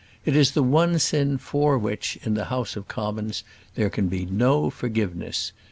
It is the one sin for which, in the House of Commons, there can be no forgiveness.